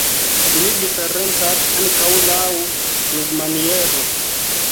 Ili diferencas ankaŭ laŭ flugmaniero.